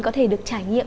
có thể được trải nghiệm